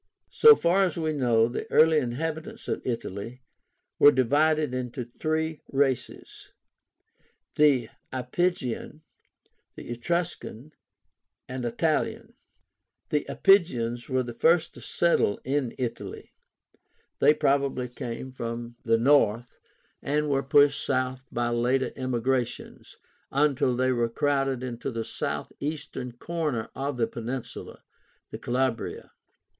So far as we know, the early inhabitants of Italy were divided into three races, the IAPYGIAN, ETRUSCAN, and ITALIAN. The IAPYGIANS were the first to settle in Italy. They probably came from the north, and were pushed south by later immigrations, until they were crowded into the southeastern corner of the peninsula (Calabria).